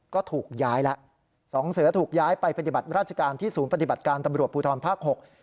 ก็ถูกย้ายแล้วสองเสือถูกย้ายไปปฏิบัติราชการที่ศูนย์ปฏิบัติการตำรวจภูทรภาค๖